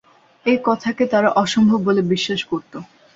এ কথাকে তারা অসম্ভব বলে বিশ্বাস করত।